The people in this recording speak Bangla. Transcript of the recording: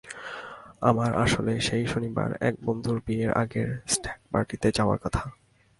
আমার আসলে সেই শনিবারে এক বন্ধুর বিয়ের আগের স্ট্যাগ পার্টিতে যাওয়ার কথা।